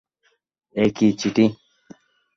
এ কী চিঠি।